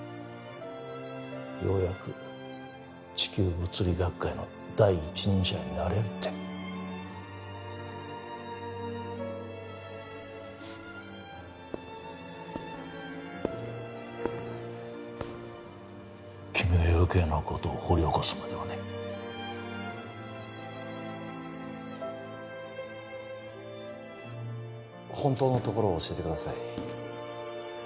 ようやく地球物理学界の第一人者になれるって君がよけいなことを掘り起こすまではね本当のところを教えてください